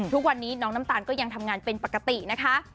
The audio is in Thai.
ทุกวันนี้น้องน้ำตาลก็ยังทำงานเป็นปกตินะคะ